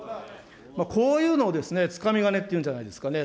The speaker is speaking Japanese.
こういうのをつかみ金っていうんじゃないですかね。